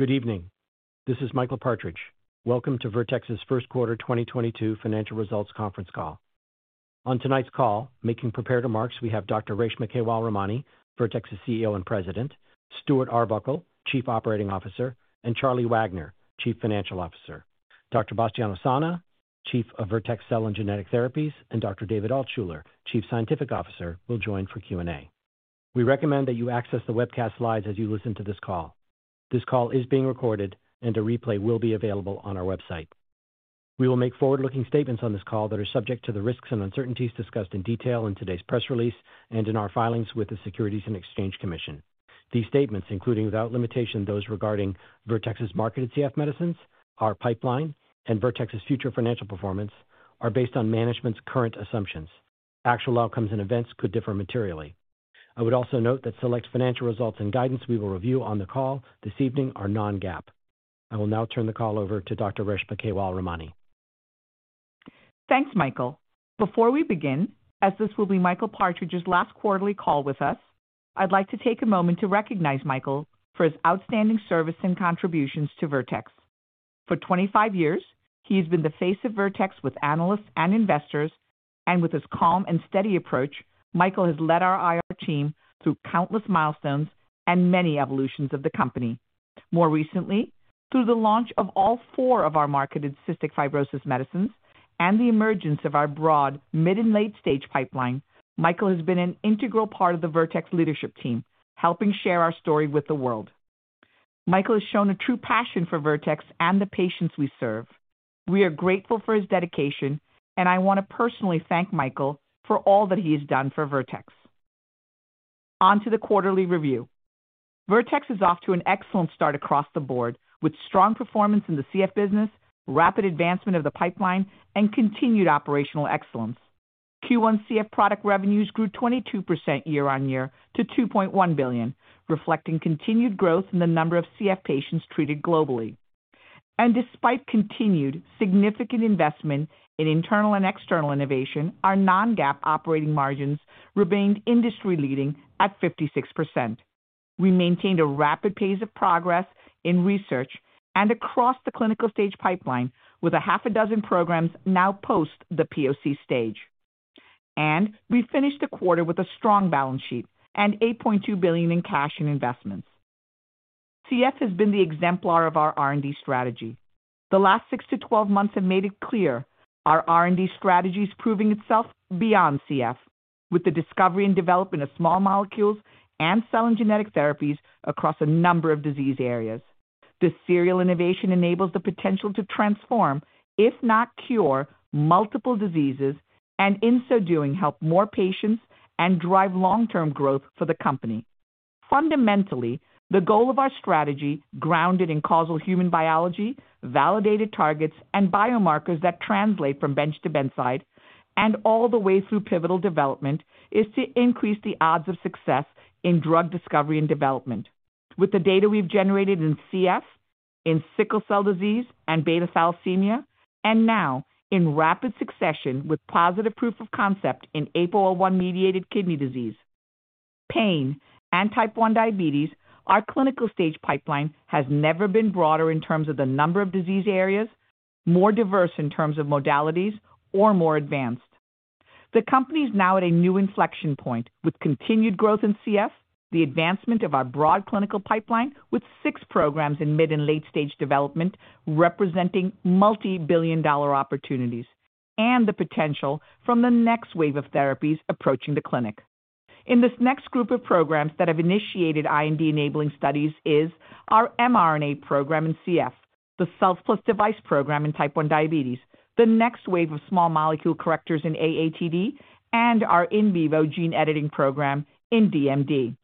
Good evening. This is Michael Partridge. Welcome to Vertex's First Quarter 2022 Financial Results Conference Call. On tonight's call, making prepared remarks, we have Dr. Reshma Kewalramani, Vertex's CEO and President, Stuart Arbuckle, Chief Operating Officer, and Charlie Wagner, Chief Financial Officer. Dr. Bastiano Sanna, Chief of Vertex Cell and Genetic Therapies, and Dr. David Altshuler, Chief Scientific Officer, will join for Q&A. We recommend that you access the webcast slides as you listen to this call. This call is being recorded and a replay will be available on our website. We will make forward-looking statements on this call that are subject to the risks and uncertainties discussed in detail in today's press release and in our filings with the Securities and Exchange Commission. These statements, including without limitation those regarding Vertex's marketed CF medicines, our pipeline, and Vertex's future financial performance, are based on management's current assumptions. Actual outcomes and events could differ materially. I would also note that select financial results and guidance we will review on the call this evening are non-GAAP. I will now turn the call over to Dr. Reshma Kewalramani. Thanks, Michael. Before we begin, as this will be Michael Partridge's last quarterly call with us, I'd like to take a moment to recognize Michael for his outstanding service and contributions to Vertex. For 25 years, he has been the face of Vertex with analysts and investors, and with his calm and steady approach, Michael has led our IR team through countless milestones and many evolutions of the company. More recently, through the launch of all four of our marketed cystic fibrosis medicines and the emergence of our broad mid- and late-stage pipeline, Michael has been an integral part of the Vertex leadership team, helping share our story with the world. Michael has shown a true passion for Vertex and the patients we serve. We are grateful for his dedication, and I want to personally thank Michael for all that he has done for Vertex. On to the quarterly review. Vertex is off to an excellent start across the board with strong performance in the CF business, rapid advancement of the pipeline, and continued operational excellence. Q1 CF product revenues grew 22% year-over-year to $2.1 billion, reflecting continued growth in the number of CF patients treated globally. Despite continued significant investment in internal and external innovation, our non-GAAP operating margins remained industry leading at 56%. We maintained a rapid pace of progress in research and across the clinical stage pipeline with 6 programs now post the POC stage. We finished the quarter with a strong balance sheet and $8.2 billion in cash and investments. CF has been the exemplar of our R&D strategy. The last six to 12 months have made it clear our R&D strategy is proving itself beyond CF with the discovery and development of small molecules and cell and genetic therapies across a number of disease areas. This serial innovation enables the potential to transform, if not cure, multiple diseases, and in so doing, help more patients and drive long-term growth for the company. Fundamentally, the goal of our strategy, grounded in causal human biology, validated targets, and biomarkers that translate from bench to bedside and all the way through pivotal development, is to increase the odds of success in drug discovery and development. With the data we've generated in CF, in sickle cell disease and beta thalassemia, and now in rapid succession with positive proof of concept in APOL1-mediated kidney disease, pain, and type 1 diabetes, our clinical-stage pipeline has never been broader in terms of the number of disease areas, more diverse in terms of modalities, or more advanced. The company is now at a new inflection point with continued growth in CF, the advancement of our broad clinical pipeline with 6 programs in mid- and late-stage development representing multi-billion-dollar opportunities, and the potential from the next wave of therapies approaching the clinic. In this next group of programs that have initiated IND-enabling studies is our mRNA program in CF, the cells plus device program in type 1 diabetes, the next wave of small molecule correctors in AATD, and our in vivo gene editing program in DMD.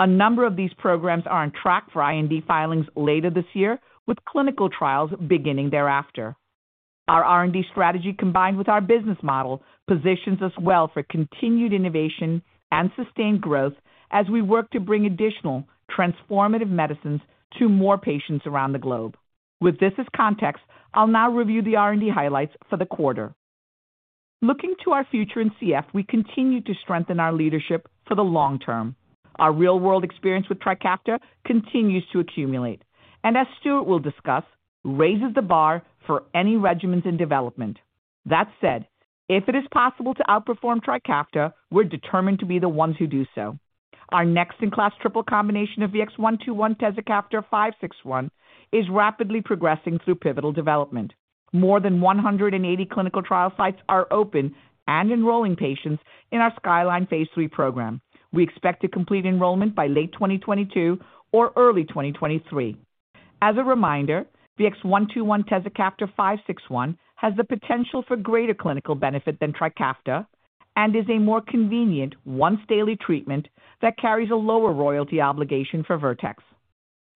A number of these programs are on track for IND filings later this year, with clinical trials beginning thereafter. Our R&D strategy, combined with our business model, positions us well for continued innovation and sustained growth as we work to bring additional transformative medicines to more patients around the globe. With this as context, I'll now review the R&D highlights for the quarter. Looking to our future in CF, we continue to strengthen our leadership for the long term. Our real-world experience with TRIKAFTA continues to accumulate and, as Stuart will discuss, raises the bar for any regimens in development. That said, if it is possible to outperform TRIKAFTA, we're determined to be the ones who do so. Our next in-class triple combination of VX-121/tezacaftor/VX-561 is rapidly progressing through pivotal development. More than 180 clinical trial sites are open and enrolling patients in our SKYLINE phase III program. We expect to complete enrollment by late 2022 or early 2023. As a reminder, VX-121/tezacaftor/VX-561 has the potential for greater clinical benefit than TRIKAFTA and is a more convenient once-daily treatment that carries a lower royalty obligation for Vertex.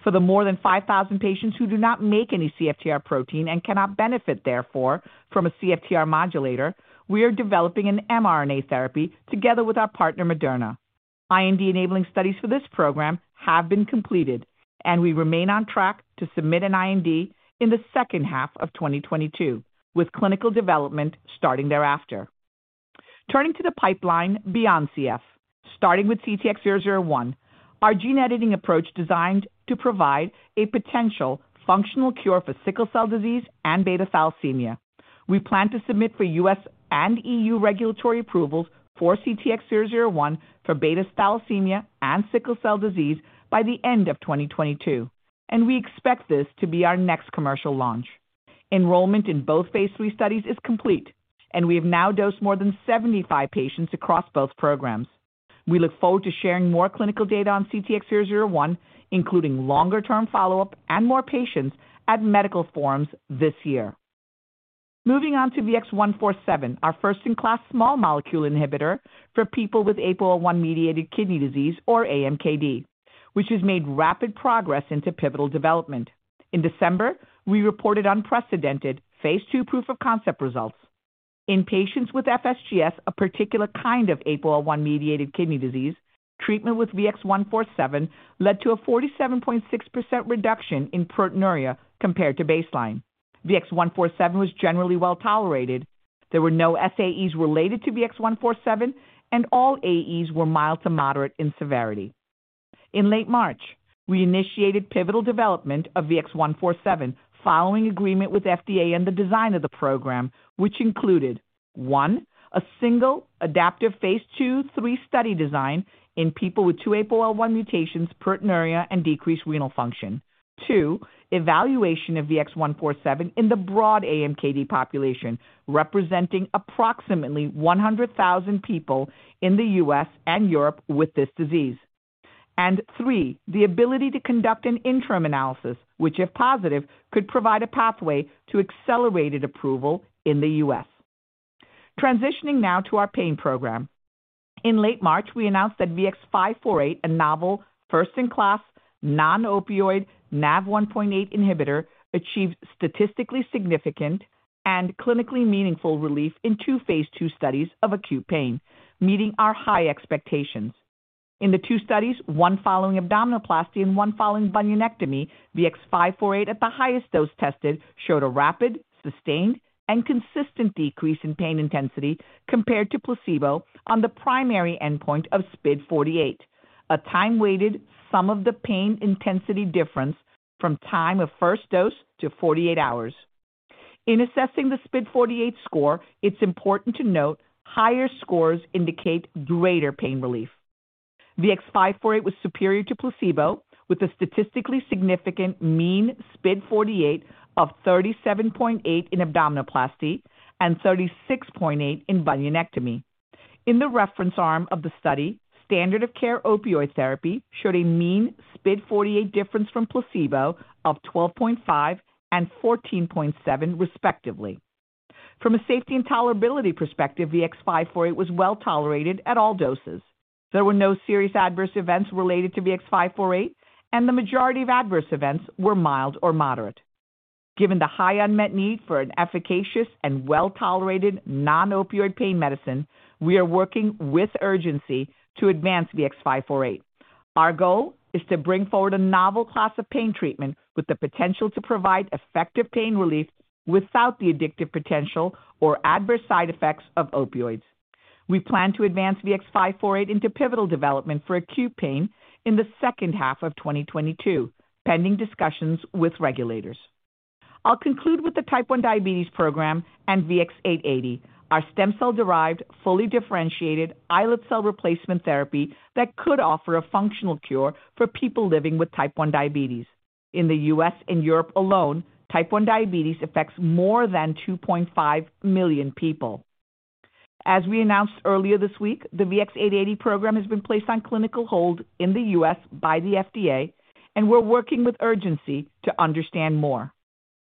For the more than 5,000 patients who do not make any CFTR protein and cannot benefit therefore from a CFTR modulator, we are developing an mRNA therapy together with our partner, Moderna. IND-enabling studies for this program have been completed, and we remain on track to submit an IND in the second half of 2022, with clinical development starting thereafter. Turning to the pipeline beyond CF, starting with CTX001, our gene editing approach designed to provide a potential functional cure for sickle cell disease and beta thalassemia. We plan to submit for U.S. and E.U. regulatory approvals for CTX001 for beta thalassemia and sickle cell disease by the end of 2022, and we expect this to be our next commercial launch. Enrollment in both phase III studies is complete, and we have now dosed more than 75 patients across both programs. We look forward to sharing more clinical data on CTX001, including longer-term follow-up and more patients at medical forums this year. Moving on to VX-147, our first-in-class small molecule inhibitor for people with APOL1-mediated kidney disease or AMKD, which has made rapid progress into pivotal development. In December, we reported unprecedented phase II proof of concept results. In patients with FSGS, a particular kind of APOL1-mediated kidney disease, treatment with VX-147 led to a 47.6% reduction in proteinuria compared to baseline. VX-147 was generally well-tolerated. There were no SAEs related to VX-147, and all AEs were mild to moderate in severity. In late March, we initiated pivotal development of VX-147 following agreement with FDA and the design of the program, which included, 1, a single adaptive phase II/III study design in people with two APOL1 mutations, proteinuria, and decreased renal function. Two, evaluation of VX-147 in the broad AMKD population, representing approximately 100,000 people in the U.S. and Europe with this disease. Three, the ability to conduct an interim analysis, which, if positive, could provide a pathway to accelerated approval in the U.S. Transitioning now to our pain program. In late March, we announced that VX-548, a novel first-in-class non-opioid NaV1.8 inhibitor, achieved statistically significant and clinically meaningful relief in two phase II studies of acute pain, meeting our high expectations. In the two studies, one following abdominoplasty and one following bunionectomy, VX-548 at the highest dose tested showed a rapid, sustained, and consistent decrease in pain intensity compared to placebo on the primary endpoint of SPID48, a time-weighted sum of the pain intensity difference from time of first dose to 48 hours. In assessing the SPID48 score, it's important to note higher scores indicate greater pain relief. VX-548 was superior to placebo with a statistically significant mean SPID48 of 37.8 in abdominoplasty and 36.8 in bunionectomy. In the reference arm of the study, standard of care opioid therapy showed a mean SPID48 difference from placebo of 12.5 and 14.7, respectively. From a safety and tolerability perspective, VX-548 was well-tolerated at all doses. There were no serious adverse events related to VX-548, and the majority of adverse events were mild or moderate. Given the high unmet need for an efficacious and well-tolerated non-opioid pain medicine, we are working with urgency to advance VX-548. Our goal is to bring forward a novel class of pain treatment with the potential to provide effective pain relief without the addictive potential or adverse side effects of opioids. We plan to advance VX-548 into pivotal development for acute pain in the second half of 2022, pending discussions with regulators. I'll conclude with the type 1 diabetes program and VX-880, our stem cell-derived, fully differentiated islet cell replacement therapy that could offer a functional cure for people living with type 1 diabetes. In the U.S. and Europe alone, type 1 diabetes affects more than 2.5 million people. As we announced earlier this week, the VX-880 program has been placed on clinical hold in the U.S. by the FDA, and we're working with urgency to understand more.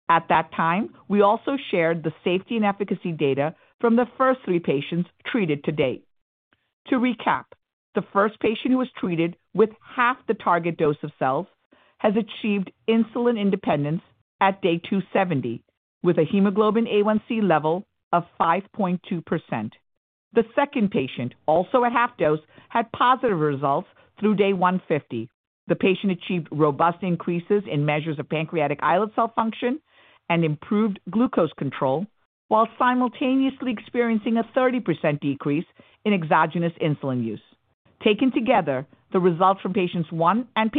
At that time, we also shared the safety and efficacy data from the first three patients treated to date. To recap, the first patient who was treated with half the target dose of cells has achieved insulin independence at day 270 with a hemoglobin A1c level of 5.2%. The second patient, also a half dose, had positive results through day 150. The patient achieved robust increases in measures of pancreatic islet cell function and improved glucose control while simultaneously experiencing a 30% decrease in exogenous insulin use. Taken together, the results from patients 1 and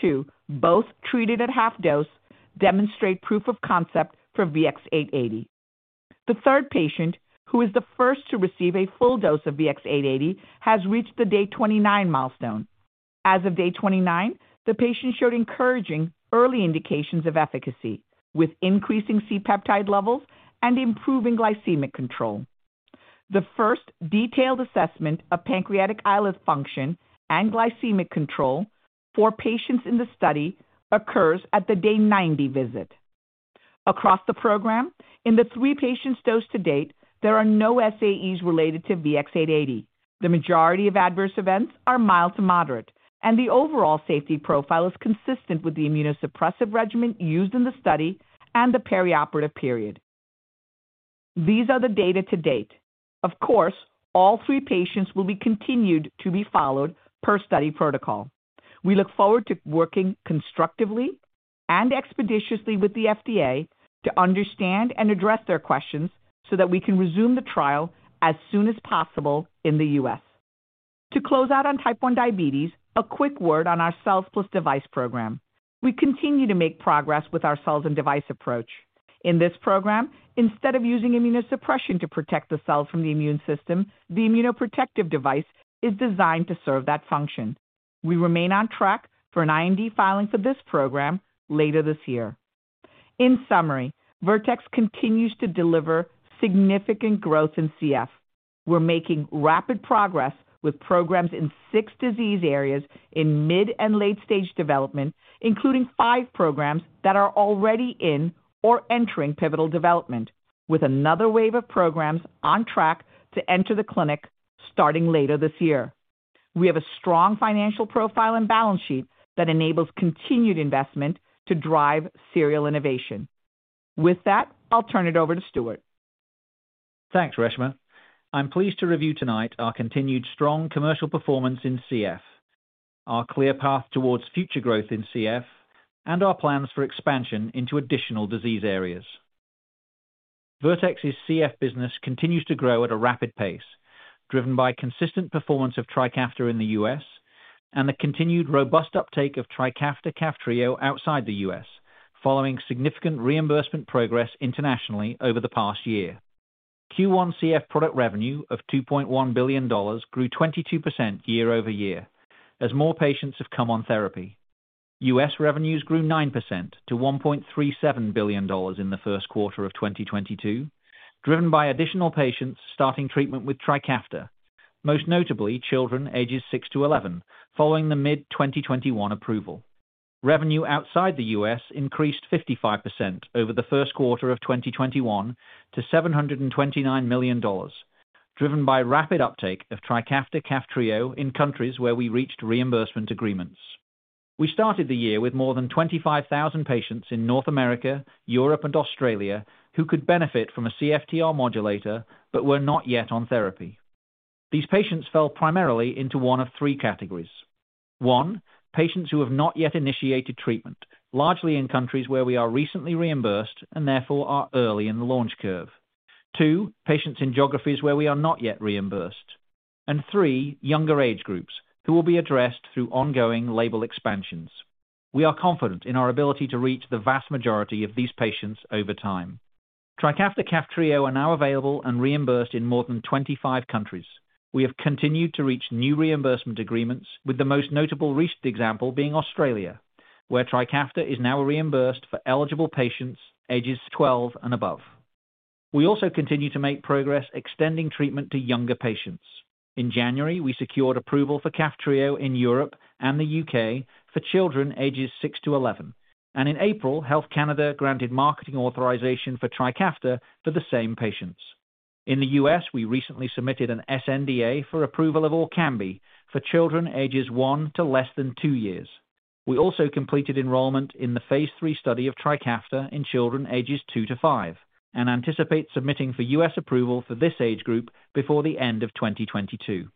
2, both treated at half dose, demonstrate proof of concept for VX-880. The third patient, who is the first to receive a full dose of VX-880, has reached the day 29 milestone. As of day 29, the patient showed encouraging early indications of efficacy, with increasing C-peptide levels and improving glycemic control. The first detailed assessment of pancreatic islet function and glycemic control for patients in the study occurs at the day 90 visit. Across the program, in the 3 patients dosed to date, there are no SAEs related to VX-880. The majority of adverse events are mild to moderate, and the overall safety profile is consistent with the immunosuppressive regimen used in the study and the perioperative period. These are the data to date. Of course, all 3 patients will be continued to be followed per study protocol. We look forward to working constructively and expeditiously with the FDA to understand and address their questions so that we can resume the trial as soon as possible in the U.S. To close out on type 1 diabetes, a quick word on our cells plus device program. We continue to make progress with our cells and device approach. In this program, instead of using immunosuppression to protect the cells from the immune system, the immunoprotective device is designed to serve that function. We remain on track for an IND filing for this program later this year. In summary, Vertex continues to deliver significant growth in CF. We're making rapid progress with programs in six disease areas in mid and late-stage development, including five programs that are already in or entering pivotal development with another wave of programs on track to enter the clinic starting later this year. We have a strong financial profile and balance sheet that enables continued investment to drive serial innovation. With that, I'll turn it over to Stuart. Thanks, Reshma. I'm pleased to review tonight our continued strong commercial performance in CF, our clear path towards future growth in CF, and our plans for expansion into additional disease areas. Vertex's CF business continues to grow at a rapid pace, driven by consistent performance of TRIKAFTA in the U.S. and the continued robust uptake of TRIKAFTA/Kaftrio outside the U.S. following significant reimbursement progress internationally over the past year. Q1 CF product revenue of $2.1 billion grew 22% year-over-year as more patients have come on therapy. U.S. revenues grew 9% to $1.37 billion in the first quarter of 2022, driven by additional patients starting treatment with TRIKAFTA, most notably children ages six to 11 following the mid-2021 approval. Revenue outside the U.S. increased 55% over the first quarter of 2021 to $729 million, driven by rapid uptake of TRIKAFTA/KAFTRIO in countries where we reached reimbursement agreements. We started the year with more than 25,000 patients in North America, Europe, and Australia who could benefit from a CFTR modulator but were not yet on therapy. These patients fell primarily into one of three categories. One, patients who have not yet initiated treatment, largely in countries where we are recently reimbursed and therefore are early in the launch curve. Two, patients in geographies where we are not yet reimbursed. Three, younger age groups who will be addressed through ongoing label expansions. We are confident in our ability to reach the vast majority of these patients over time. TRIKAFTA/KAFTRIO are now available and reimbursed in more than 25 countries. We have continued to reach new reimbursement agreements with the most notable recent example being Australia, where TRIKAFTA is now reimbursed for eligible patients ages 12 and above. We also continue to make progress extending treatment to younger patients. In January, we secured approval for KAFTRIO in Europe and the U.K. for children ages six to 11. In April, Health Canada granted marketing authorization for TRIKAFTA for the same patients. In the U.S., we recently submitted an sNDA for approval of ORKAMBI for children ages one to less than two years. We also completed enrollment in the phase III study of TRIKAFTA in children ages two to five and anticipate submitting for U.S. approval for this age group before the end of 2022.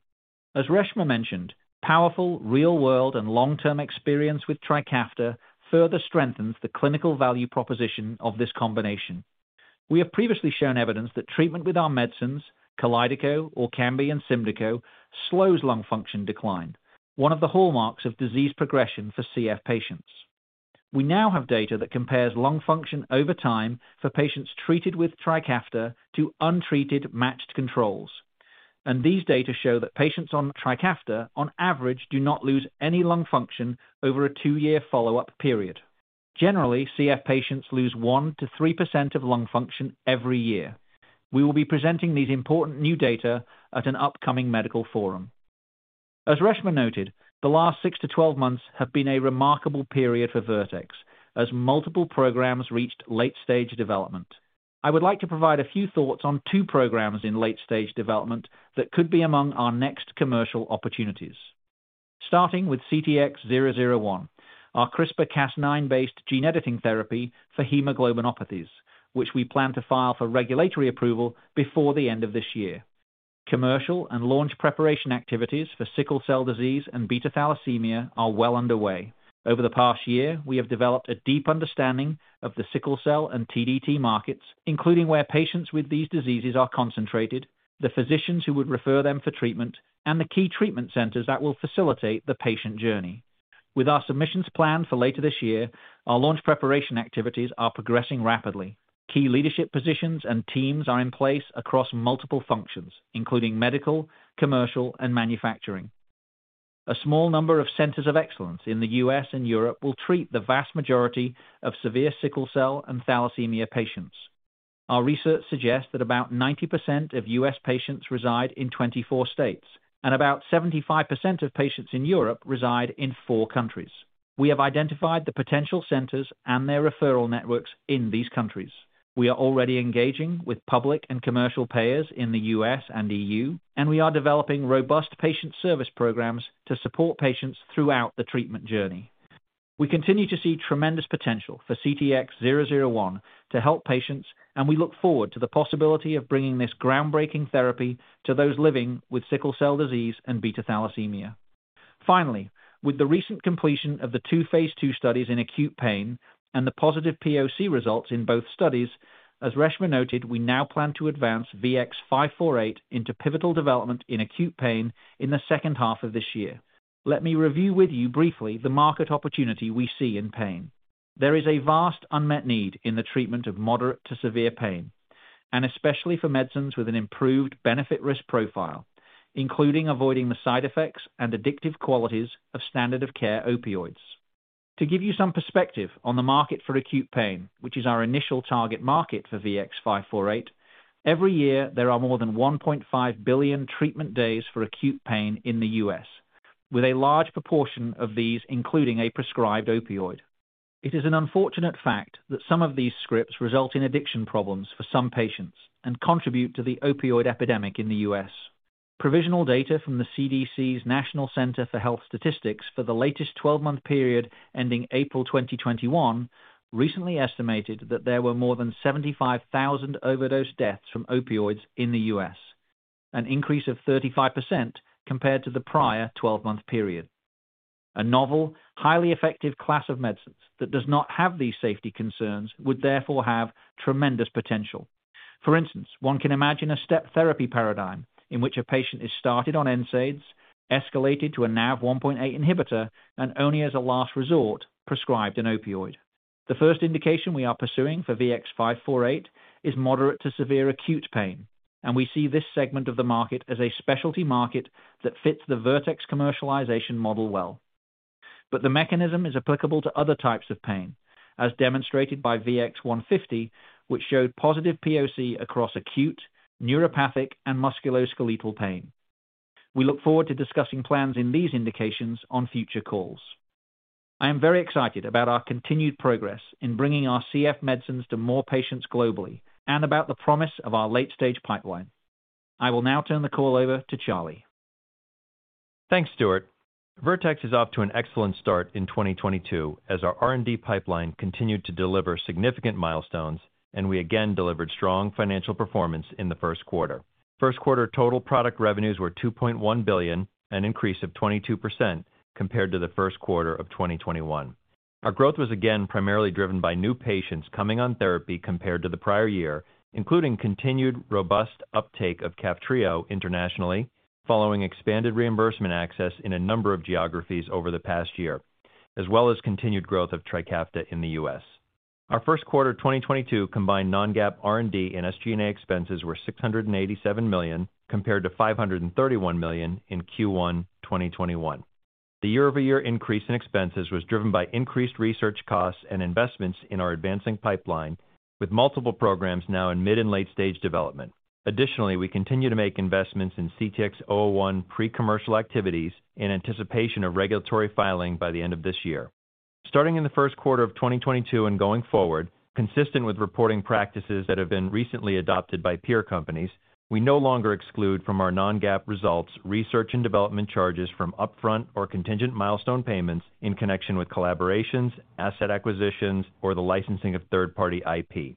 As Reshma mentioned, powerful real-world and long-term experience with TRIKAFTA further strengthens the clinical value proposition of this combination. We have previously shown evidence that treatment with our medicines, Kalydeco, ORKAMBI, and SYMDEKO slows lung function decline, one of the hallmarks of disease progression for CF patients. We now have data that compares lung function over time for patients treated with TRIKAFTA to untreated matched controls. These data show that patients on TRIKAFTA on average do not lose any lung function over a two-year follow-up period. Generally, CF patients lose 1%-3% of lung function every year. We will be presenting these important new data at an upcoming medical forum. As Reshma noted, the last six to 12 months have been a remarkable period for Vertex as multiple programs reached late-stage development. I would like to provide a few thoughts on two programs in late-stage development that could be among our next commercial opportunities. Starting with CTX001, our CRISPR-Cas9 based gene editing therapy for hemoglobinopathies, which we plan to file for regulatory approval before the end of this year. Commercial and launch preparation activities for sickle cell disease and beta thalassemia are well underway. Over the past year, we have developed a deep understanding of the sickle cell and TDT markets, including where patients with these diseases are concentrated, the physicians who would refer them for treatment, and the key treatment centers that will facilitate the patient journey. With our submissions planned for later this year, our launch preparation activities are progressing rapidly. Key leadership positions and teams are in place across multiple functions, including medical, commercial, and manufacturing. A small number of centers of excellence in the U.S. and Europe will treat the vast majority of severe sickle cell and thalassemia patients. Our research suggests that about 90% of U.S. patients reside in 24 states, and about 75% of patients in Europe reside in four countries. We have identified the potential centers and their referral networks in these countries. We are already engaging with public and commercial payers in the U.S. and E.U., and we are developing robust patient service programs to support patients throughout the treatment journey. We continue to see tremendous potential for CTX001 to help patients, and we look forward to the possibility of bringing this groundbreaking therapy to those living with sickle cell disease and beta thalassemia. Finally, with the recent completion of the two phase II studies in acute pain and the positive POC results in both studies, as Reshma noted, we now plan to advance VX-548 into pivotal development in acute pain in the second half of this year. Let me review with you briefly the market opportunity we see in pain. There is a vast unmet need in the treatment of moderate to severe pain, and especially for medicines with an improved benefit-risk profile, including avoiding the side effects and addictive qualities of standard of care opioids. To give you some perspective on the market for acute pain, which is our initial target market for VX-548, every year there are more than 1.5 billion treatment days for acute pain in the U.S., with a large proportion of these including a prescribed opioid. It is an unfortunate fact that some of these scripts result in addiction problems for some patients and contribute to the opioid epidemic in the U.S. Provisional data from the CDC's National Center for Health Statistics for the latest 12-month period ending April 2021 recently estimated that there were more than 75,000 overdose deaths from opioids in the U.S., an increase of 35% compared to the prior 12-month period. A novel, highly effective class of medicines that does not have these safety concerns would therefore have tremendous potential. For instance, one can imagine a step therapy paradigm in which a patient is started on NSAIDs, escalated to a NaV1.8 inhibitor, and only as a last resort, prescribed an opioid. The first indication we are pursuing for VX-548 is moderate to severe acute pain, and we see this segment of the market as a specialty market that fits the Vertex commercialization model well. The mechanism is applicable to other types of pain, as demonstrated by VX-150, which showed positive POC across acute, neuropathic, and musculoskeletal pain. We look forward to discussing plans in these indications on future calls. I am very excited about our continued progress in bringing our CF medicines to more patients globally and about the promise of our late-stage pipeline. I will now turn the call over to Charlie. Thanks, Stuart. Vertex is off to an excellent start in 2022 as our R&D pipeline continued to deliver significant milestones, and we again delivered strong financial performance in the first quarter. First quarter total product revenues were $2.1 billion, an increase of 22% compared to the first quarter of 2021. Our growth was again primarily driven by new patients coming on therapy compared to the prior year, including continued robust uptake of KAFTRIO internationally following expanded reimbursement access in a number of geographies over the past year, as well as continued growth of TRIKAFTA in the U.S. Our first quarter 2022 combined non-GAAP R&D and SG&A expenses were $687 million, compared to $531 million in Q1 2021. The year-over-year increase in expenses was driven by increased research costs and investments in our advancing pipeline, with multiple programs now in mid and late-stage development. Additionally, we continue to make investments in CTX001 pre-commercial activities in anticipation of regulatory filing by the end of this year. Starting in the first quarter of 2022 and going forward, consistent with reporting practices that have been recently adopted by peer companies, we no longer exclude from our non-GAAP results research and development charges from upfront or contingent milestone payments in connection with collaborations, asset acquisitions, or the licensing of third-party IP.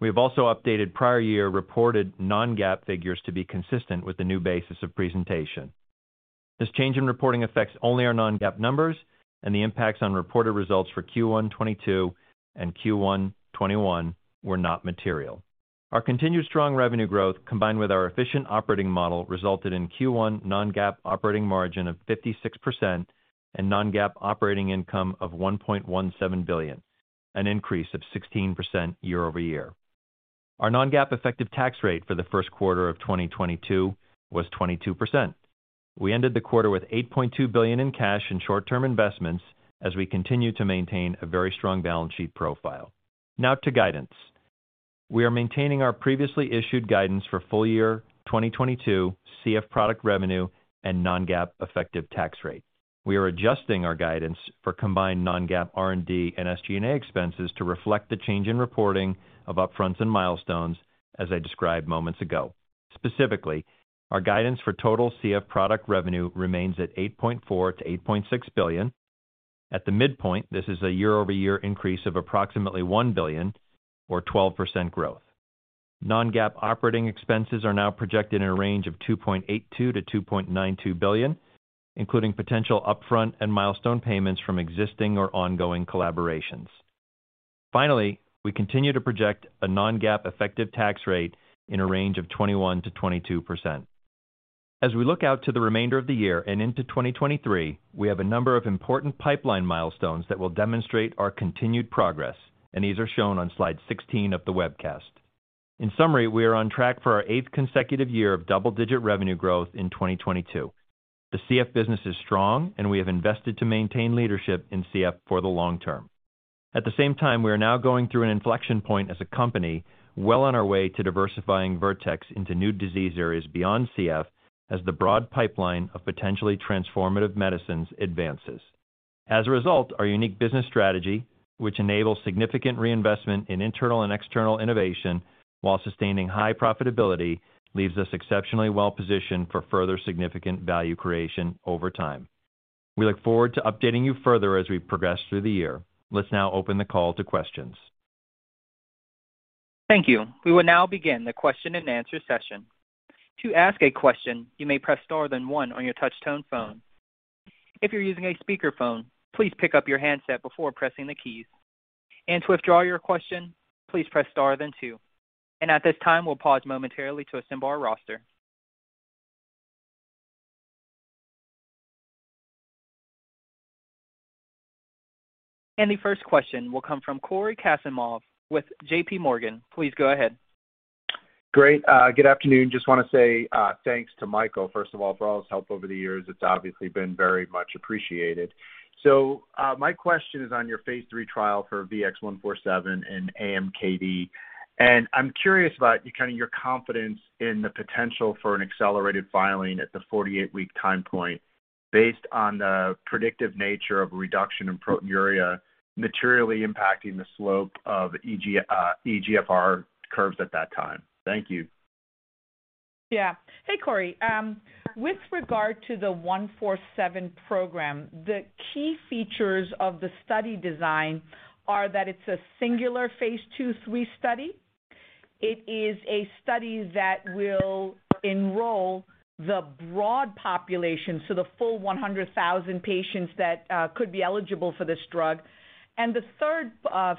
We have also updated prior year reported non-GAAP figures to be consistent with the new basis of presentation. This change in reporting affects only our non-GAAP numbers and the impacts on reported results for Q1 2022 and Q1 2021 were not material. Our continued strong revenue growth combined with our efficient operating model resulted in Q1 non-GAAP operating margin of 56% and non-GAAP operating income of $1.17 billion, an increase of 16% year-over-year. Our non-GAAP effective tax rate for the first quarter of 2022 was 22%. We ended the quarter with $8.2 billion in cash and short-term investments as we continue to maintain a very strong balance sheet profile. Now to guidance. We are maintaining our previously issued guidance for full year 2022 CF product revenue and non-GAAP effective tax rate. We are adjusting our guidance for combined non-GAAP R&D and SG&A expenses to reflect the change in reporting of upfronts and milestones as I described moments ago. Specifically, our guidance for total CF product revenue remains at $8.4 billion-$8.6 billion. At the midpoint, this is a year-over-year increase of approximately $1 billion or 12% growth. Non-GAAP operating expenses are now projected in a range of $2.82 billion-$2.92 billion, including potential upfront and milestone payments from existing or ongoing collaborations. Finally, we continue to project a non-GAAP effective tax rate in a range of 21%-22%. As we look out to the remainder of the year and into 2023, we have a number of important pipeline milestones that will demonstrate our continued progress, and these are shown on slide 16 of the webcast. In summary, we are on track for our eighth consecutive year of double-digit revenue growth in 2022. The CF business is strong, and we have invested to maintain leadership in CF for the long term. At the same time, we are now going through an inflection point as a company well on our way to diversifying Vertex into new disease areas beyond CF as the broad pipeline of potentially transformative medicines advances. As a result, our unique business strategy, which enables significant reinvestment in internal and external innovation while sustaining high profitability, leaves us exceptionally well positioned for further significant value creation over time. We look forward to updating you further as we progress through the year. Let's now open the call to questions. Thank you. We will now begin the question and answer session. To ask a question, you may press star then one on your touchtone phone. If you're using a speakerphone, please pick up your handset before pressing the keys. To withdraw your question, please press star then two. At this time, we'll pause momentarily to assemble our roster. The first question will come from Cory Kasimov with JPMorgan. Please go ahead. Great. Good afternoon. Just wanna say, thanks to Michael, first of all, for all his help over the years. It's obviously been very much appreciated. My question is on your phase III trial for VX-147 and AMKD. I'm curious about kind of your confidence in the potential for an accelerated filing at the 48-week time point based on the predictive nature of a reduction in proteinuria materially impacting the slope of eGFR curves at that time. Thank you. Yeah. Hey, Cory. With regard to the VX-147 program, the key features of the study design are that it's a singular phase II/III study. It is a study that will enroll the broad population, so the full 100,000 patients that could be eligible for this drug. The third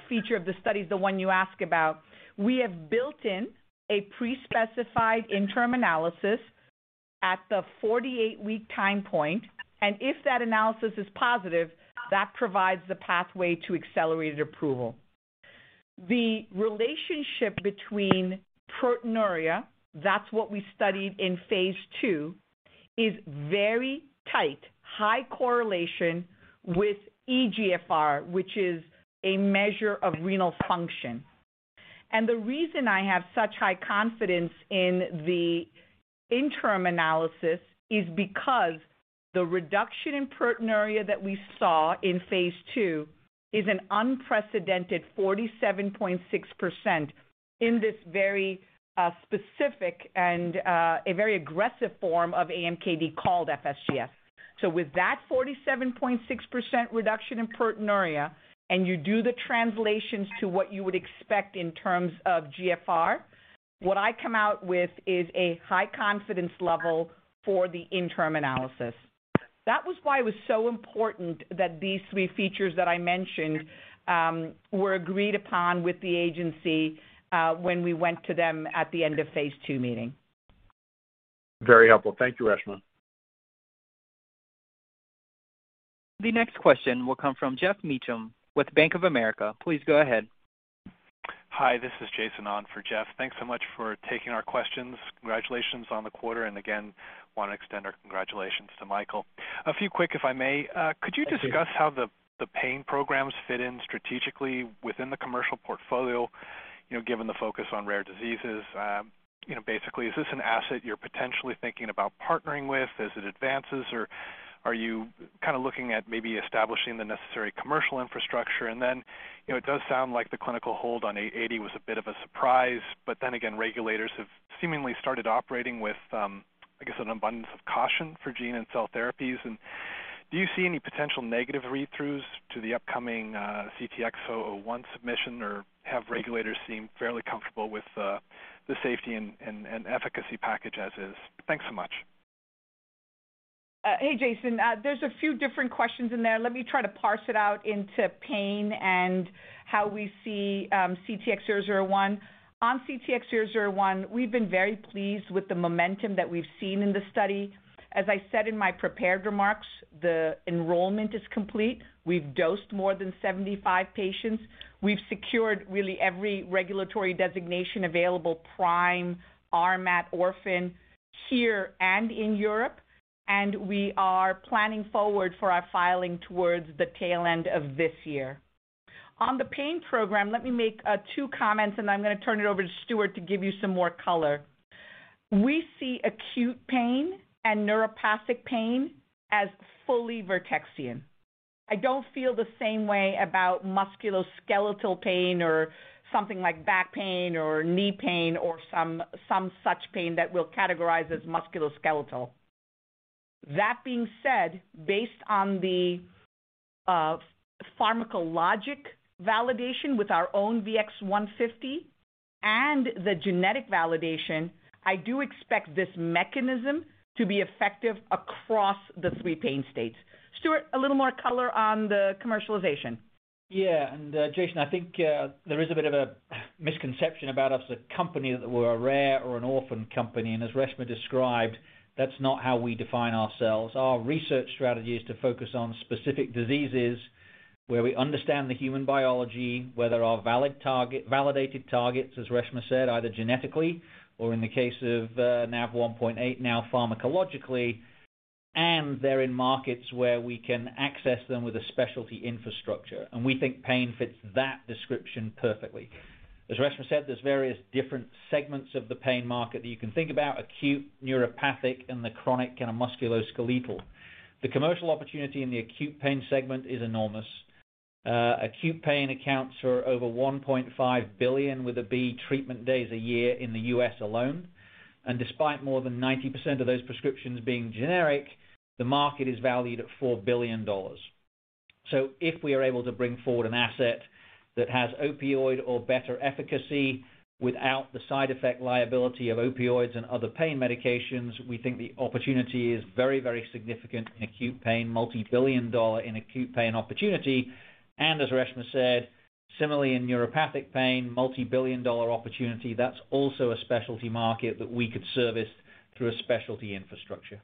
feature of the study is the one you ask about. We have built in a pre-specified interim analysis at the 48-week time point, and if that analysis is positive, that provides the pathway to accelerated approval. The relationship between proteinuria, that's what we studied in phase II, is very tight. High correlation with eGFR, which is a measure of renal function. The reason I have such high confidence in the interim analysis is because the reduction in proteinuria that we saw in phase II is an unprecedented 47.6% in this very specific and a very aggressive form of AMKD called FSGS. With that 47.6% reduction in proteinuria, and you do the translations to what you would expect in terms of GFR, what I come out with is a high confidence level for the interim analysis. That was why it was so important that these three features that I mentioned were agreed upon with the agency when we went to them at the end of phase II meeting. Very helpful. Thank you, Reshma. The next question will come from Geoff Meacham with Bank of America. Please go ahead. Hi, this is Jason on for Geoff. Thanks so much for taking our questions. Congratulations on the quarter, and again, wanna extend our congratulations to Michael. A few quick, if I may. Thank you. Could you discuss how the pain programs fit in strategically within the commercial portfolio, you know, given the focus on rare diseases? You know, basically, is this an asset you're potentially thinking about partnering with as it advances, or are you kinda looking at maybe establishing the necessary commercial infrastructure? You know, it does sound like the clinical hold on VX-880 was a bit of a surprise, but then again, regulators have seemingly started operating with an abundance of caution for gene and cell therapies. Do you see any potential negative read-throughs to the upcoming CTX001 submission, or have regulators seem fairly comfortable with the safety and efficacy package as is? Thanks so much. Hey, Jason. There's a few different questions in there. Let me try to parse it out into pain and how we see CTX001. On CTX001, we've been very pleased with the momentum that we've seen in the study. As I said in my prepared remarks, the enrollment is complete. We've dosed more than 75 patients. We've secured really every regulatory designation available, PRIME, RMAT, Orphan, here and in Europe, and we are planning forward for our filing towards the tail end of this year. On the pain program, let me make two comments, and I'm gonna turn it over to Stuart to give you some more color. We see acute pain and neuropathic pain as fully Vertexian. I don't feel the same way about musculoskeletal pain or something like back pain or knee pain or some such pain that we'll categorize as musculoskeletal. That being said, based on the pharmacologic validation with our own VX-150 and the genetic validation, I do expect this mechanism to be effective across the three pain states. Stuart, a little more color on the commercialization. Yeah. Jason, I think there is a bit of a misconception about us, a company that we're a rare or an orphan company. As Reshma described, that's not how we define ourselves. Our research strategy is to focus on specific diseases where we understand the human biology, where there are validated targets, as Reshma said, either genetically or in the case of NaV 1.8, now pharmacologically, and they're in markets where we can access them with a specialty infrastructure. We think pain fits that description perfectly. As Reshma said, there's various different segments of the pain market that you can think about, acute, neuropathic, and the chronic kind of musculoskeletal. The commercial opportunity in the acute pain segment is enormous. Acute pain accounts for over 1.5 billion, with a B, treatment days a year in the U.S. alone. Despite more than 90% of those prescriptions being generic, the market is valued at $4 billion. So if we are able to bring forward an asset that has opioid or better efficacy without the side effect liability of opioids and other pain medications, we think the opportunity is very, very significant in acute pain, multi-billion dollar in acute pain opportunity. As Reshma said, similarly in neuropathic pain, multi-billion dollar opportunity, that's also a specialty market that we could service through a specialty infrastructure.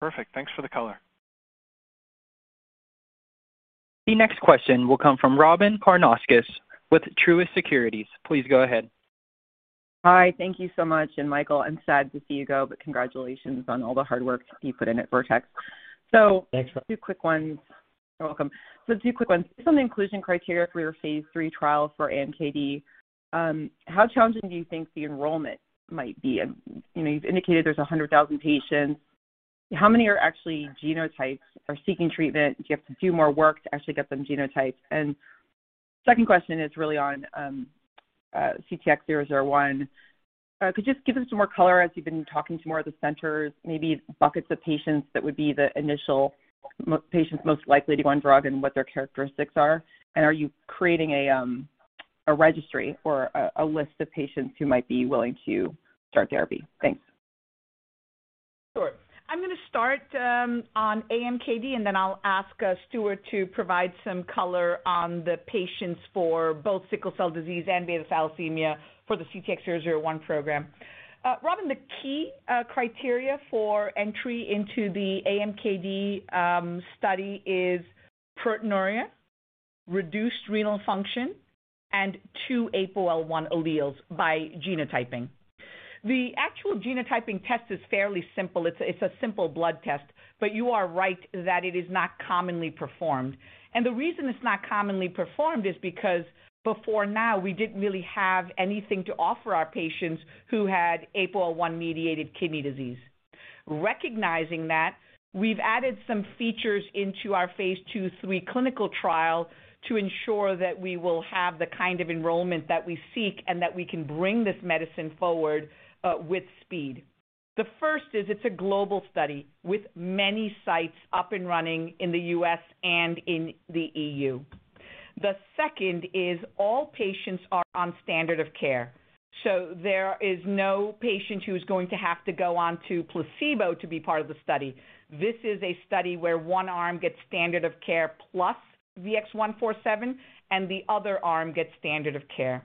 Perfect. Thanks for the color. The next question will come from Robyn Karnauskas with Truist Securities. Please go ahead. Hi. Thank you so much. Michael, I'm sad to see you go, but congratulations on all the hard work you put in at Vertex. Thanks, Robyn. Two quick ones. You're welcome. Two quick ones. Based on the inclusion criteria for your phase III trial for AMKD, how challenging do you think the enrollment might be? And, you know, you've indicated there's 100,000 patients. How many are actually genotyped or seeking treatment? Do you have to do more work to actually get them genotyped? And second question is really on CTX001. Could you just give us some more color as you've been talking to more of the centers, maybe buckets of patients that would be the initial patients most likely to go on drug and what their characteristics are? And are you creating a registry or a list of patients who might be willing to start therapy? Thanks. Sure. I'm gonna start on AMKD, and then I'll ask Stuart to provide some color on the patients for both sickle cell disease and beta thalassemia for the CTX001 program. Robyn, the key criteria for entry into the AMKD study is proteinuria, reduced renal function, and two APOL1 alleles by genotyping. The actual genotyping test is fairly simple. It's a simple blood test, but you are right that it is not commonly performed. The reason it's not commonly performed is because before now we didn't really have anything to offer our patients who had APOL1-mediated kidney disease. Recognizing that, we've added some features into our phase II/III clinical trial to ensure that we will have the kind of enrollment that we seek and that we can bring this medicine forward with speed. The first is it's a global study with many sites up and running in the U.S. and in the E.U. The second is all patients are on standard of care, so there is no patient who's going to have to go on to placebo to be part of the study. This is a study where one arm gets standard of care plus VX-147, and the other arm gets standard of care.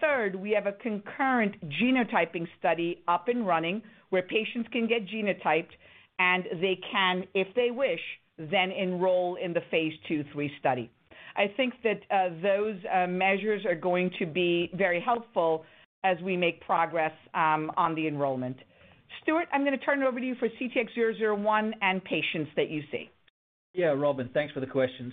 Third, we have a concurrent genotyping study up and running where patients can get genotyped, and they can, if they wish, then enroll in the phase II/III study. I think that those measures are going to be very helpful as we make progress on the enrollment. Stuart, I'm gonna turn it over to you for CTX001 and patients that you see. Yeah, Robyn, thanks for the question.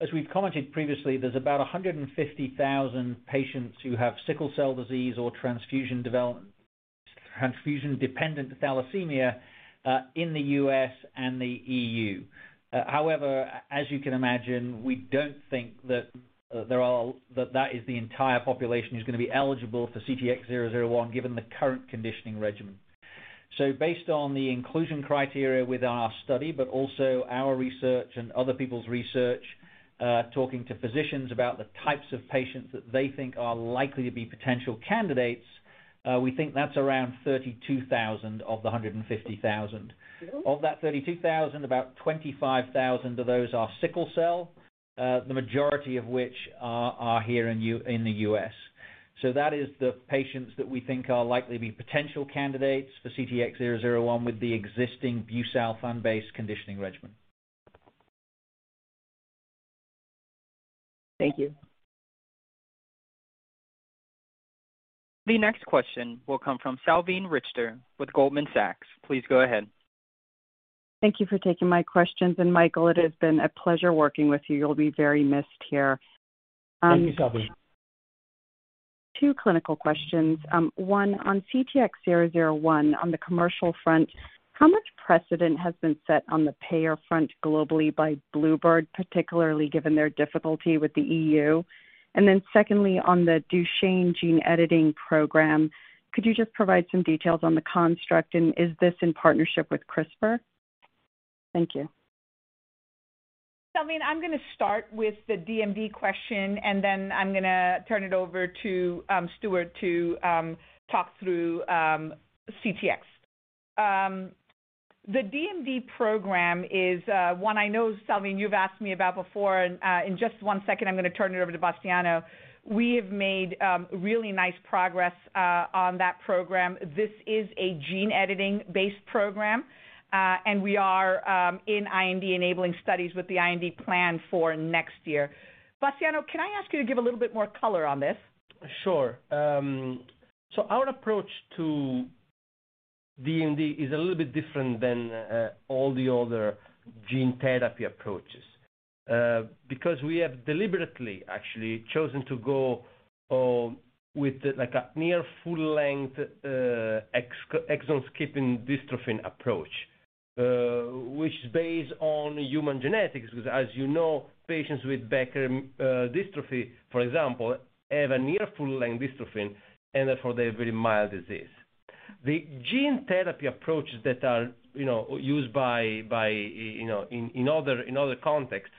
As we've commented previously, there's about 150,000 patients who have sickle cell disease or transfusion-dependent thalassemia in the U.S. and the E.U. However, as you can imagine, we don't think that that is the entire population who's gonna be eligible for CTX001 given the current conditioning regimen. Based on the inclusion criteria with our study, but also our research and other people's research, talking to physicians about the types of patients that they think are likely to be potential candidates, we think that's around 32,000 of the 150,000. Of that 32,000, about 25,000 of those are sickle cell, the majority of which are here in the U.S. that is the patients that we think are likely to be potential candidates for CTX001 with the existing busulfan-based conditioning regimen. Thank you. The next question will come from Salveen Richter with Goldman Sachs. Please go ahead. Thank you for taking my questions. Michael, it has been a pleasure working with you. You'll be very missed here. Thank you, Salveen. Two clinical questions. One, on CTX001, on the commercial front, how much precedent has been set on the payer front globally by bluebird bio, particularly given their difficulty with the E.U.? Secondly, on the Duchenne gene editing program, could you just provide some details on the construct, and is this in partnership with CRISPR? Thank you. Salveen, I'm gonna start with the DMD question, and then I'm gonna turn it over to Stuart to talk through CTX. The DMD program is one I know, Salveen, you've asked me about before. In just one second I'm gonna turn it over to Bastiano. We have made really nice progress on that program. This is a gene editing-based program. We are in IND-enabling studies with the IND plan for next year. Bastiano, can I ask you to give a little bit more color on this? Sure. Our approach to DMD is a little bit different than all the other gene therapy approaches because we have deliberately actually chosen to go with like a near full length exon skipping dystrophin approach. Which is based on human genetics 'cause as you know, patients with Becker dystrophy, for example, have a near full length dystrophin and therefore they have very mild disease. The gene therapy approaches that are you know used by you know in other contexts,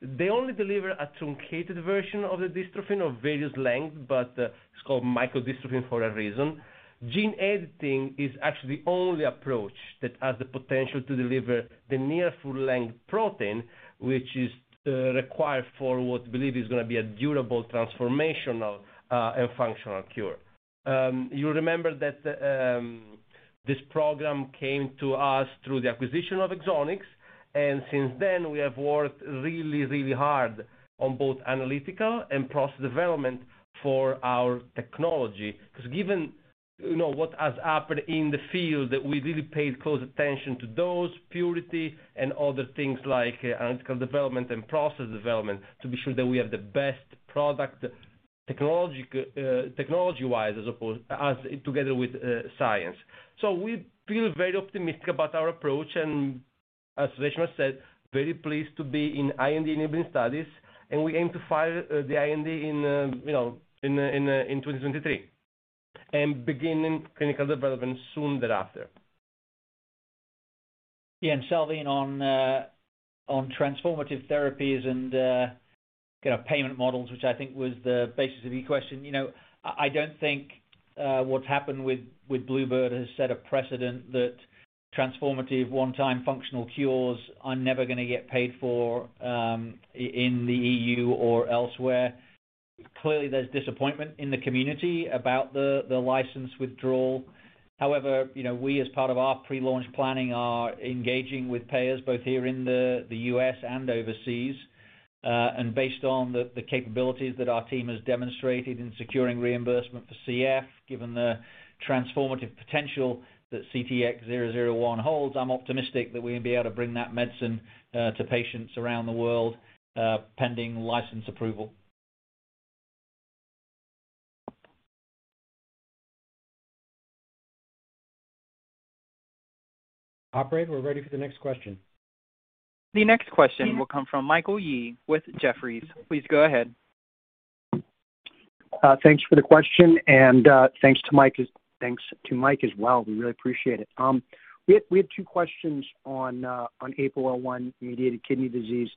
they only deliver a truncated version of the dystrophin of various lengths, but it's called microdystrophin for a reason. Gene editing is actually the only approach that has the potential to deliver the near full-length protein, which is required for what we believe is gonna be a durable transformational and functional cure. You remember that this program came to us through the acquisition of Exonics, and since then, we have worked really, really hard on both analytical and process development for our technology. Because given, you know, what has happened in the field, that we really paid close attention to those purity and other things like analytical development and process development to be sure that we have the best product technology-wise, together with science. We feel very optimistic about our approach, and as Reshma said, very pleased to be in IND-enabling studies. We aim to file the IND in, you know, in 2023 and beginning clinical development soon thereafter. Yeah. Salveen, on transformative therapies and, you know, payment models, which I think was the basis of your question. You know, I don't think what's happened with bluebird bio has set a precedent that transformative one-time functional cures are never gonna get paid for, in the E.U. or elsewhere. Clearly, there's disappointment in the community about the license withdrawal. However, you know, we, as part of our pre-launch planning, are engaging with payers both here in the U.S. and overseas. Based on the capabilities that our team has demonstrated in securing reimbursement for CF, given the transformative potential that CTX zero zero one holds, I'm optimistic that we're gonna be able to bring that medicine to patients around the world, pending license approval. Operator, we're ready for the next question. The next question will come from Michael Yee with Jefferies. Please go ahead. Thanks for the question, and thanks to Mike as well. We really appreciate it. We have two questions on APOL1-mediated kidney disease.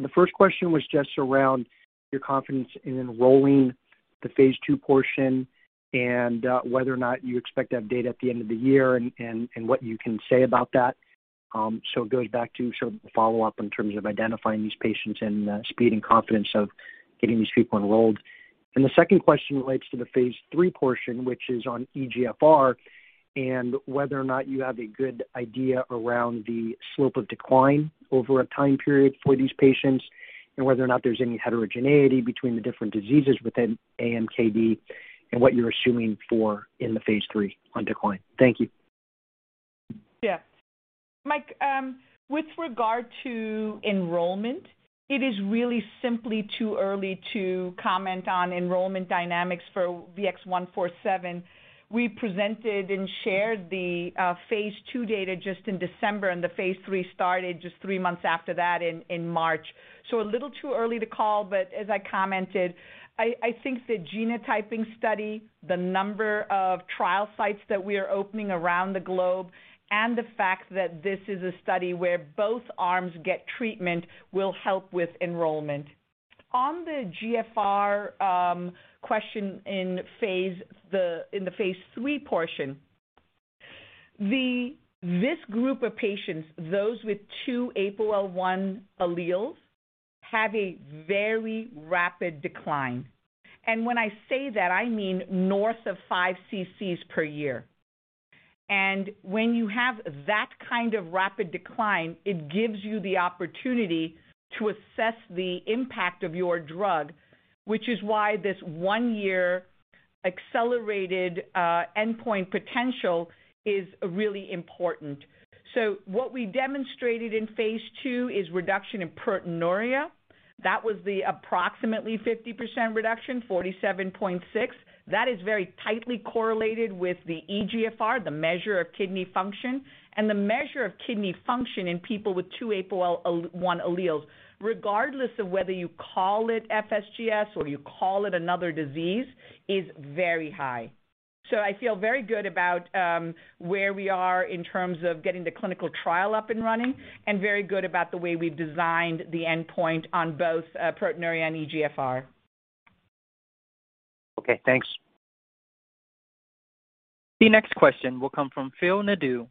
The first question was just around your confidence in enrolling the phase II portion and whether or not you expect to have data at the end of the year and what you can say about that. It goes back to sort of the follow-up in terms of identifying these patients and speed and confidence of getting these people enrolled. The second question relates to the phase III portion, which is on eGFR, and whether or not you have a good idea around the slope of decline over a time period for these patients and whether or not there's any heterogeneity between the different diseases within AMKD and what you're assuming for in the phase III on decline. Thank you. Yeah. Mike, with regard to enrollment, it is really simply too early to comment on enrollment dynamics for VX-147. We presented and shared the phase II data just in December, and the phase III started just three months after that in March. A little too early to call, but as I commented, I think the genotyping study, the number of trial sites that we are opening around the globe, and the fact that this is a study where both arms get treatment will help with enrollment. On the eGFR question in the phase III portion, this group of patients, those with two APOL1 alleles, have a very rapid decline. When I say that, I mean north of 5 CCs per year. When you have that kind of rapid decline, it gives you the opportunity to assess the impact of your drug, which is why this one year accelerated endpoint potential is really important. What we demonstrated in phase II is reduction in proteinuria. That was the approximately 50% reduction, 47.6. That is very tightly correlated with the eGFR, the measure of kidney function. The measure of kidney function in people with two APOL1 alleles, regardless of whether you call it FSGS or you call it another disease, is very high. I feel very good about where we are in terms of getting the clinical trial up and running and very good about the way we've designed the endpoint on both proteinuria and eGFR. Okay, thanks. The next question will come from Phil Nadeau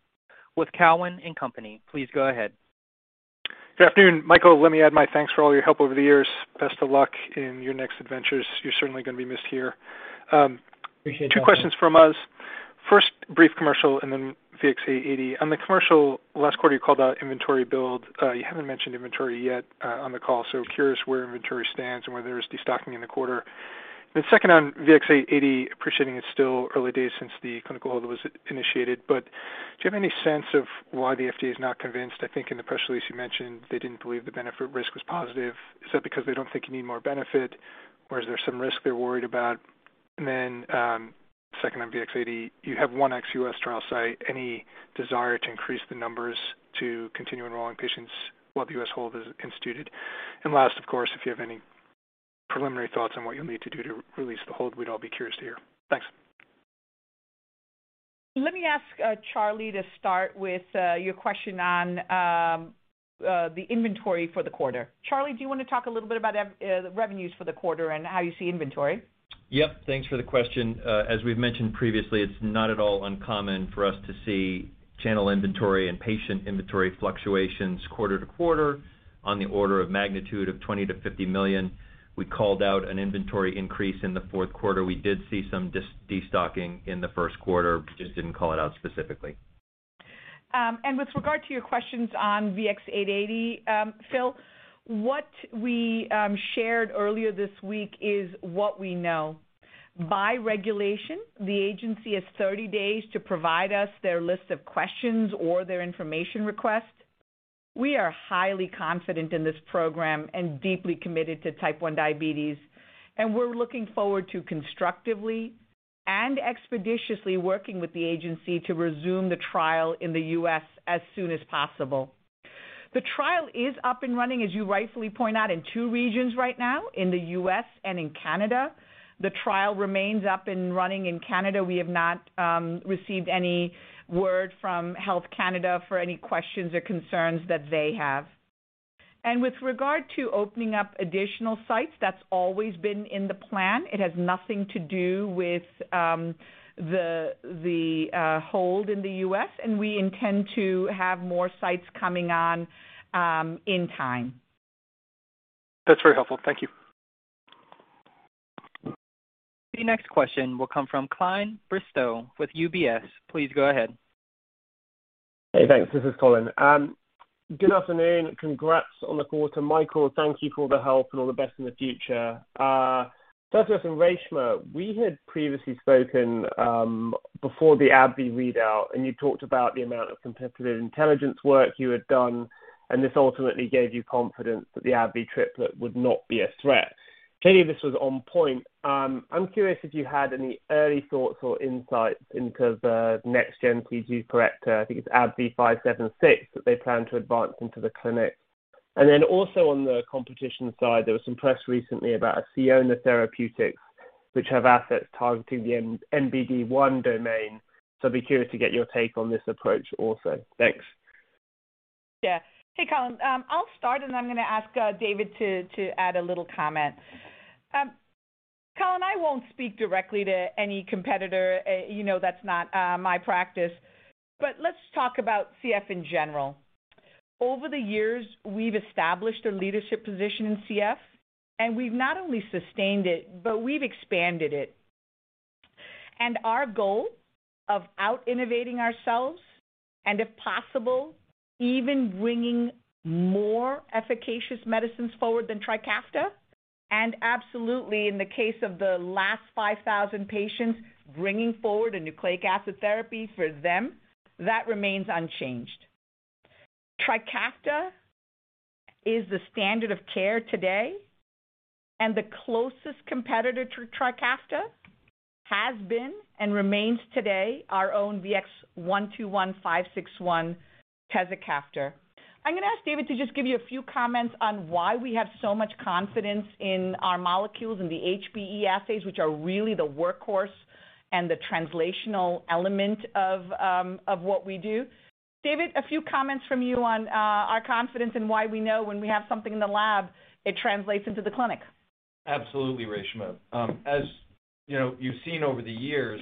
with Cowen and Company. Please go ahead. Good afternoon. Michael, let me add my thanks for all your help over the years. Best of luck in your next adventures. You're certainly gonna be missed here. Appreciate that. Two questions from us. First, brief commercial and then VX-880. On the commercial, last quarter, you called out inventory build. You haven't mentioned inventory yet on the call, so curious where inventory stands and whether there's destocking in the quarter. The second on VX-880, appreciating it's still early days since the clinical hold was initiated, but do you have any sense of why the FDA is not convinced? I think in the press release you mentioned they didn't believe the benefit risk was positive. Is that because they don't think you need more benefit, or is there some risk they're worried about? And then, second on VX-880, you have one ex-U.S. trial site. Any desire to increase the numbers to continue enrolling patients while the U.S. hold is instituted? And last, of course, if you have any Preliminary thoughts on what you'll need to do to release the hold. We'd all be curious to hear. Thanks. Let me ask Charlie to start with your question on the inventory for the quarter. Charlie, do you wanna talk a little bit about the revenues for the quarter and how you see inventory? Yep. Thanks for the question. As we've mentioned previously, it's not at all uncommon for us to see channel inventory and patient inventory fluctuations quarter to quarter on the order of magnitude of $20 million-$50 million. We called out an inventory increase in the fourth quarter. We did see some destocking in the first quarter. We just didn't call it out specifically. With regard to your questions on VX-880, Phil, what we shared earlier this week is what we know. By regulation, the agency has 30 days to provide us their list of questions or their information request. We are highly confident in this program and deeply committed to type 1 diabetes, and we're looking forward to constructively and expeditiously working with the agency to resume the trial in the U.S. as soon as possible. The trial is up and running, as you rightfully point out, in two regions right now, in the U.S. and in Canada. The trial remains up and running in Canada. We have not received any word from Health Canada for any questions or concerns that they have. With regard to opening up additional sites, that's always been in the plan. It has nothing to do with the hold in the U.S., and we intend to have more sites coming on in time. That's very helpful. Thank you. The next question will come from Colin Bristow with UBS. Please go ahead. Hey, thanks. This is Colin. Good afternoon. Congrats on the quarter, Michael. Thank you for all the help and all the best in the future. First off Reshma, we had previously spoken before the AbbVie readout, and you talked about the amount of competitive intelligence work you had done, and this ultimately gave you confidence that the AbbVie triplet would not be a threat. Clearly, this was on point. I'm curious if you had any early thoughts or insights into the next-gen CF corrector. I think it's ABBV-576 that they plan to advance into the clinic. Then also on the competition side, there was some press recently about Sionna Therapeutics, which have assets targeting the NBD1 domain. I'd be curious to get your take on this approach also. Thanks. Yeah. Hey, Colin. I'll start, and I'm gonna ask David to add a little comment. Colin, I won't speak directly to any competitor. You know that's not my practice. Let's talk about CF in general. Over the years, we've established a leadership position in CF, and we've not only sustained it, but we've expanded it. Our goal of out-innovating ourselves and if possible, even bringing more efficacious medicines forward than TRIKAFTA and absolutely in the case of the last 5,000 patients, bringing forward a nucleic acid therapy for them, that remains unchanged. TRIKAFTA is the standard of care today, and the closest competitor to TRIKAFTA has been and remains today our own VX-121/tezacaftor/VX-561. I'm gonna ask David to just give you a few comments on why we have so much confidence in our molecules and the HBE assays, which are really the workhorse and the translational element of what we do. David, a few comments from you on our confidence and why we know when we have something in the lab, it translates into the clinic. Absolutely, Reshma. As you know, you've seen over the years,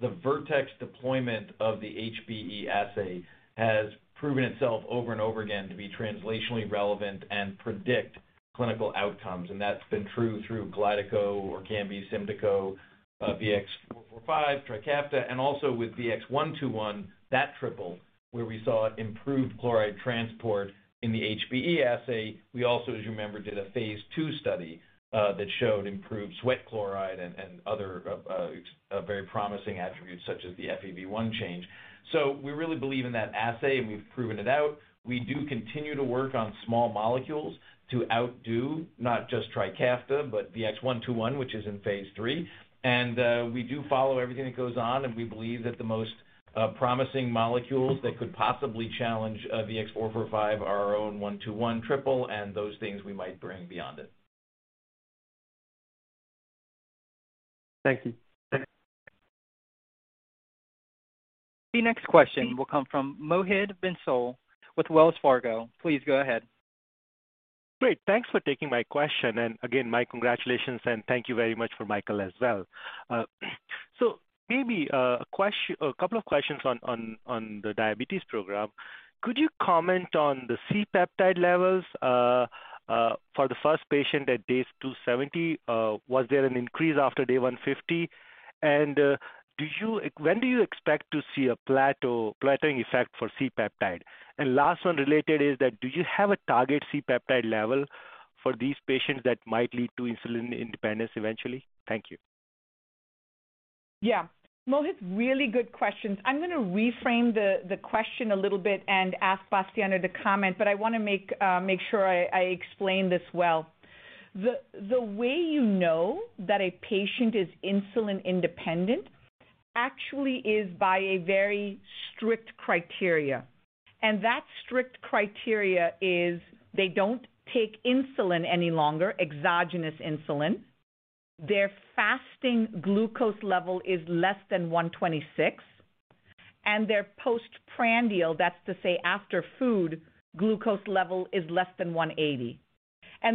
the Vertex deployment of the HBE assay has proven itself over and over again to be translationally relevant and predict clinical outcomes. That's been true through Kalydeco, ORKAMBI, SYMDEKO, VX-445, TRIKAFTA, and also with VX-121, that triple, where we saw improved chloride transport in the HBE assay. We also, as you remember, did a phase II study, that showed improved sweat chloride and other very promising attributes such as the FEV1 change. We really believe in that assay, and we've proven it out. We do continue to work on small molecules to outdo not just TRIKAFTA, but VX-121, which is in phase III. We do follow everything that goes on, and we believe that the most promising molecules that could possibly challenge VX-445 are our own VX-121 triple and those things we might bring beyond it. Thank you. The next question will come from Mohit Bansal with Wells Fargo. Please go ahead. Great. Thanks for taking my question. Again, my congratulations, and thank you very much for Michael as well. Maybe a couple of questions on the diabetes program. Could you comment on the C-peptide levels for the first patient at day 270? Was there an increase after day 150? When do you expect to see a plateauing effect for C-peptide? Last one related is that do you have a target C-peptide level for these patients that might lead to insulin independence eventually? Thank you. Yeah. Mohit, really good questions. I'm gonna reframe the question a little bit and ask Bastiano to comment, but I wanna make sure I explain this well. The way you know that a patient is insulin independent actually is by a very strict criteria. That strict criteria is they don't take insulin any longer, exogenous insulin. Their fasting glucose level is less than 126, and their postprandial, that's to say after food, glucose level is less than 180.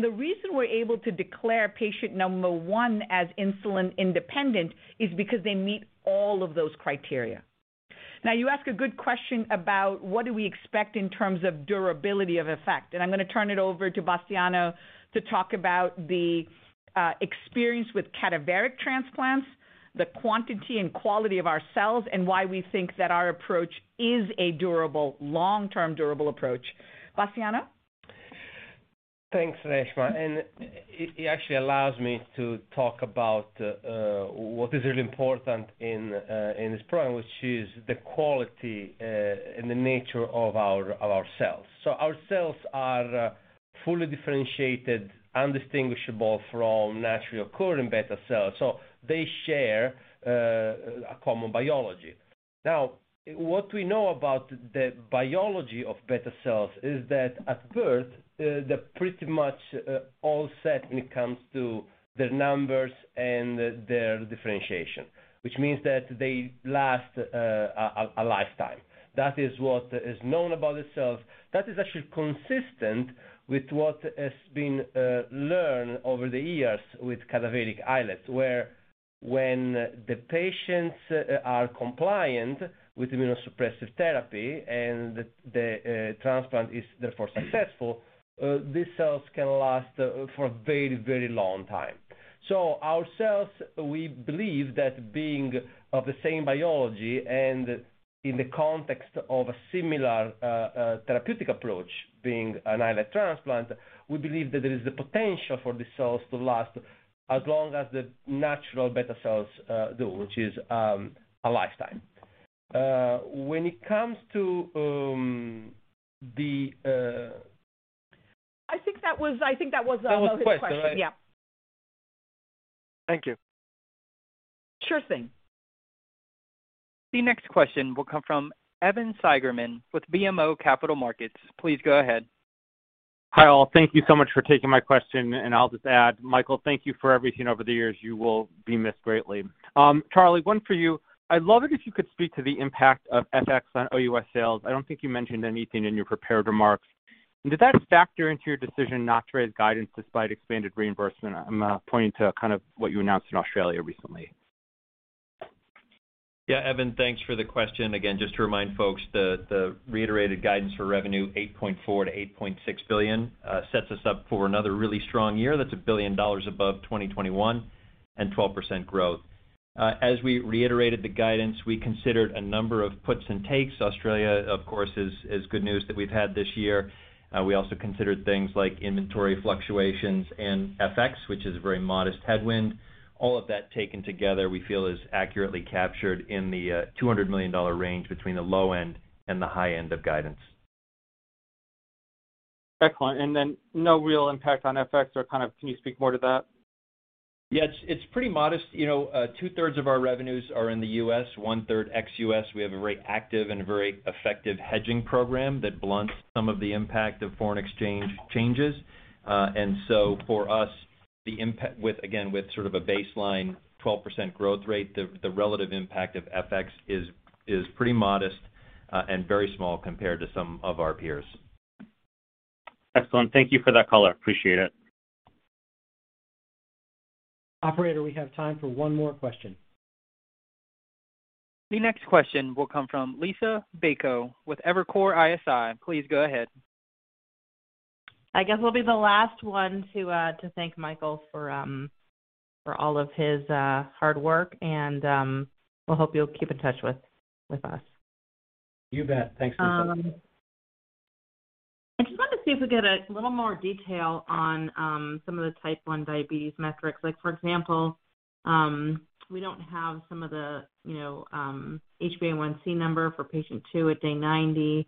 The reason we're able to declare patient number one as insulin independent is because they meet all of those criteria. Now, you ask a good question about what do we expect in terms of durability of effect. I'm gonna turn it over to Bastiano to talk about the experience with cadaveric transplants, the quantity and quality of our cells, and why we think that our approach is a durable, long-term approach. Bastiano? Thanks, Reshma. It actually allows me to talk about what is really important in this problem, which is the quality and the nature of our cells. Our cells are fully differentiated, indistinguishable from naturally occurring beta cells, so they share a common biology. Now, what we know about the biology of beta cells is that at birth, they're pretty much all set when it comes to their numbers and their differentiation, which means that they last a lifetime. That is what is known about the cells. That is actually consistent with what has been learned over the years with cadaveric islets, where when the patients are compliant with immunosuppressive therapy and the transplant is therefore successful, these cells can last for a very, very long time. Our cells, we believe that being of the same biology and in the context of a similar therapeutic approach, being an islet transplant, we believe that there is the potential for the cells to last as long as the natural beta cells do, which is a lifetime. When it comes to the, I think that was. That was the question, right? Mohit's question. Yeah. Thank you. Sure thing. The next question will come from Evan Seigerman with BMO Capital Markets. Please go ahead. Hi, all. Thank you so much for taking my question, and I'll just add, Michael, thank you for everything over the years. You will be missed greatly. Charlie, one for you. I'd love it if you could speak to the impact of FX on OUS sales. I don't think you mentioned anything in your prepared remarks. Did that factor into your decision not to raise guidance despite expanded reimbursement? I'm pointing to kind of what you announced in Australia recently. Yeah. Evan, thanks for the question. Again, just to remind folks the reiterated guidance for revenue, $8.4 billion-$8.6 billion, sets us up for another really strong year. That's $1 billion above 2021 and 12% growth. As we reiterated the guidance, we considered a number of puts and takes. Australia, of course, is good news that we've had this year. We also considered things like inventory fluctuations and FX, which is a very modest headwind. All of that taken together, we feel is accurately captured in the $200 million range between the low end and the high end of guidance. Excellent. No real impact on FX or kind of can you speak more to that? Yeah, it's pretty modest. You know, 2/3 of our revenues are in the U.S., 1/3 ex-U.S. We have a very active and very effective hedging program that blunts some of the impact of foreign exchange changes. For us, again, with sort of a baseline 12% growth rate, the relative impact of FX is pretty modest, and very small compared to some of our peers. Excellent. Thank you for that color. Appreciate it. Operator, we have time for one more question. The next question will come from Liisa Bayko with Evercore ISI. Please go ahead. I guess we'll be the last one to thank Michael for all of his hard work, and we'll hope you'll keep in touch with us. You bet. Thanks, Liisa. I just wanted to see if we get a little more detail on some of the type 1 diabetes metrics. Like, for example, we don't have some of the, you know, HbA1c number for patient two at day 90.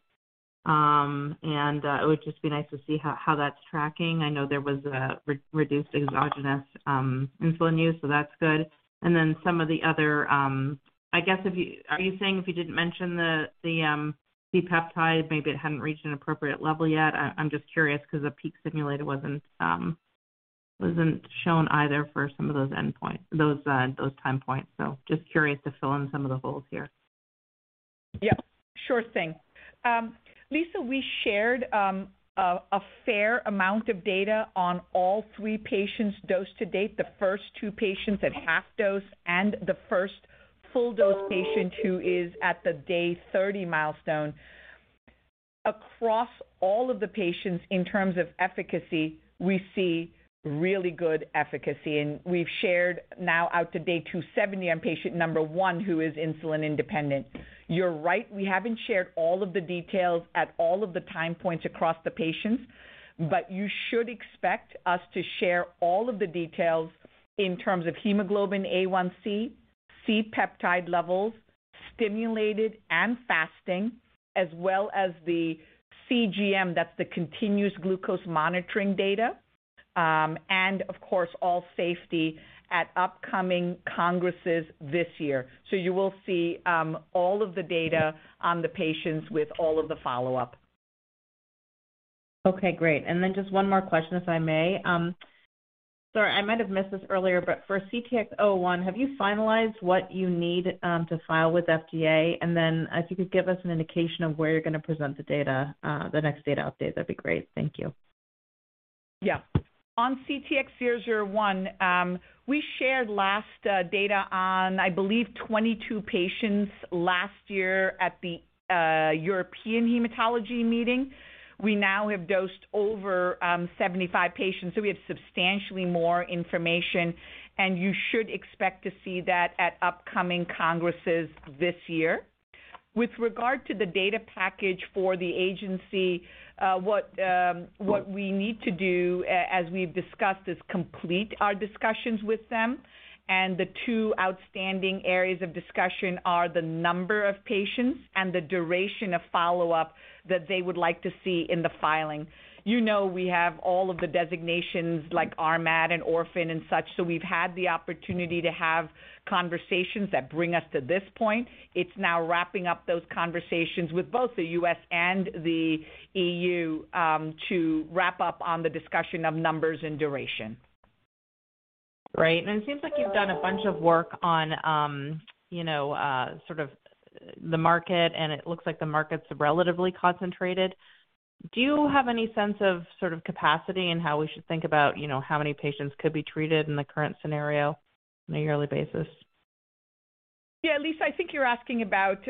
It would just be nice to see how that's tracking. I know there was a reduced exogenous insulin use, so that's good. And then some of the other. I guess, are you saying if you didn't mention the C-peptide, maybe it hadn't reached an appropriate level yet? I'm just curious 'cause the peak stimulated wasn't shown either for some of those endpoint, those time points. Just curious to fill in some of the holes here. Yeah, sure thing. Liisa, we shared a fair amount of data on all three patients dosed to date, the first two patients at half dose and the first full dose patient who is at the day 30 milestone. Across all of the patients in terms of efficacy, we see really good efficacy, and we've shared now out to day 270 on patient number one who is insulin independent. You're right, we haven't shared all of the details at all of the time points across the patients, but you should expect us to share all of the details in terms of hemoglobin A1c, C-peptide levels, stimulated and fasting, as well as the CGM, that's the continuous glucose monitoring data, and of course, all safety at upcoming congresses this year. You will see all of the data on the patients with all of the follow-up. Okay, great. Just one more question, if I may. Sorry, I might have missed this earlier, but for CTX001, have you finalized what you need to file with FDA? If you could give us an indication of where you're gonna present the data, the next data update, that'd be great. Thank you. Yeah. On CTX001, we shared last year data on, I believe, 22 patients last year at the European Hematology meeting. We now have dosed over 75 patients, so we have substantially more information, and you should expect to see that at upcoming congresses this year. With regard to the data package for the agency, what we need to do as we've discussed is complete our discussions with them. The two outstanding areas of discussion are the number of patients and the duration of follow-up that they would like to see in the filing. You know we have all of the designations like RMAT and Orphan and such, so we've had the opportunity to have conversations that bring us to this point. It's now wrapping up those conversations with both the U.S. and the E.U., to wrap up on the discussion of numbers and duration. Right. It seems like you've done a bunch of work on, you know, sort of the market, and it looks like the market's relatively concentrated. Do you have any sense of sort of capacity and how we should think about, you know, how many patients could be treated in the current scenario on a yearly basis? Yeah, Liisa, I think you're asking about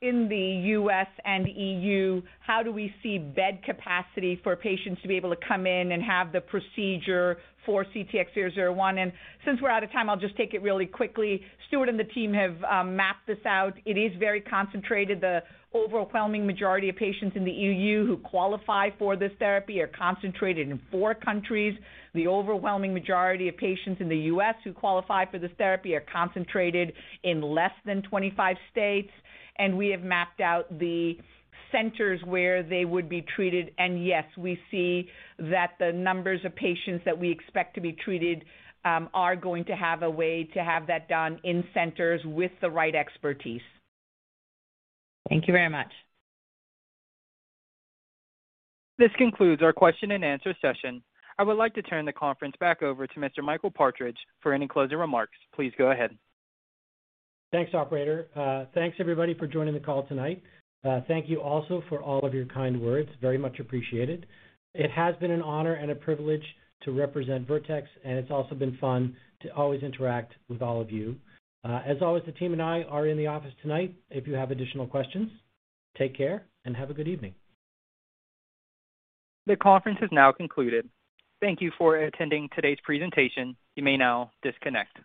in the U.S. and E.U., how do we see bed capacity for patients to be able to come in and have the procedure for CTX001? Since we're out of time, I'll just take it really quickly. Stuart Arbuckle and the team have mapped this out. It is very concentrated. The overwhelming majority of patients in the E.U. who qualify for this therapy are concentrated in four countries. The overwhelming majority of patients in the U.S. who qualify for this therapy are concentrated in less than 25 states. We have mapped out the centers where they would be treated, and yes, we see that the numbers of patients that we expect to be treated are going to have a way to have that done in centers with the right expertise. Thank you very much. This concludes our question-and-answer session. I would like to turn the conference back over to Mr. Michael Partridge for any closing remarks. Please go ahead. Thanks, operator. Thanks everybody for joining the call tonight. Thank you also for all of your kind words. Very much appreciated. It has been an honor and a privilege to represent Vertex, and it's also been fun to always interact with all of you. As always, the team and I are in the office tonight if you have additional questions. Take care, and have a good evening. The conference has now concluded. Thank you for attending today's presentation. You may now disconnect.